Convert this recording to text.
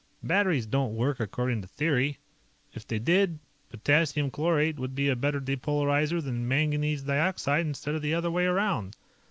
Batteries don't work according to theory. If they did, potassium chlorate would be a better depolarizer than manganese dioxide, instead of the other way around.